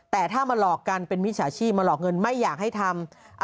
แต่ถ้ามาหลอกกันเป็นมิจฉาชีพมาหลอกเงินไม่อยากให้ทำ